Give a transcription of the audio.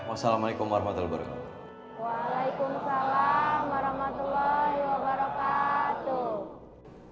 wassalamu'alaikum warahmatullahi wabarakatuh